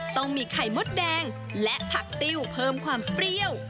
ต้องมีไข่มดแดงและผักติ้วเพิ่มความเปรี้ยว